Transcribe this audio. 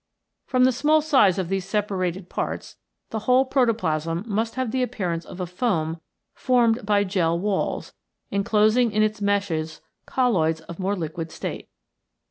From the small size of these separated parts the whole protoplasm must have the appearance of a foam formed by gel walls, inclosing in its meshes colloids of more liquid state.